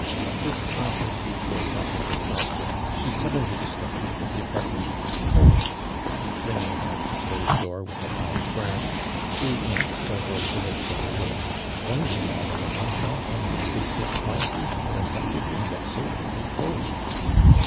This latter fruitful topic exliausted she suddenly discovered that the apartment wa « cold, and flinging back the stove door with a loud crash, threw in several billets of wood, wondering all the while, how Armand could sit quietly there and let the room get so very cold.